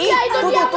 itu itu itu